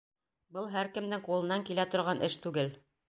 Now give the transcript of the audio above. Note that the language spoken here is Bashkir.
Был һәр кемдең ҡулынан килә торған эш түгел!